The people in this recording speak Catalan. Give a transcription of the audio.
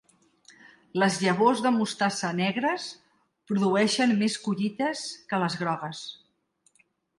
Les llavors de mostassa negres produeixen més collites que les grogues.